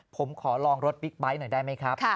ผมขอลองรถบิ๊กไบท์หน่อยได้ไหมครับ